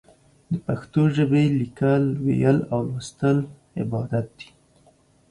د پښتو ژبې ليکل، ويل او ولوستل عبادت دی.